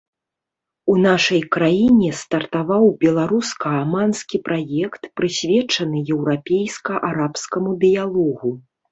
У нашай краіне стартаваў беларуска-аманскі праект, прысвечаны еўрапейска-арабскаму дыялогу.